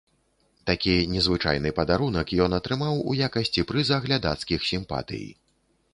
Такі незвычайны падарунак ён атрымаў у якасці прыза глядацкіх сімпатый.